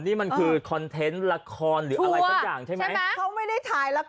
นี่มันคือคอนเทนต์ละครหรืออะไรสักอย่างใช่ไหมเขาไม่ได้ถ่ายละคร